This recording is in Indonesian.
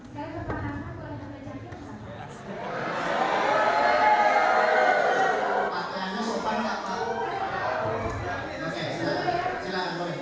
sudah cukup dari pertemuan